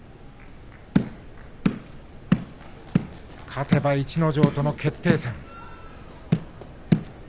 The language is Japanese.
勝てば逸ノ城との決定戦。